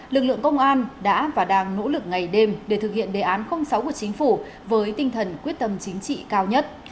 lực lượng công an đã và đang nỗ lực ngày đêm để thực hiện đề án sáu của chính phủ với tinh thần quyết tâm chính trị cao nhất